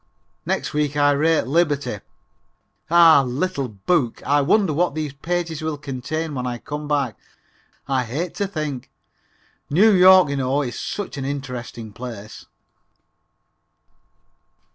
Next week I rate liberty! Ah, little book, I wonder what these pages will contain when I come back. I hate to think. New York, you know, is such an interesting place.